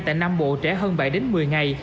tại nam bộ trẻ hơn bảy đến một mươi ngày